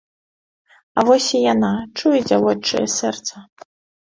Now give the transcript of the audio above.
А вось і яна, чуе дзявочае сэрца.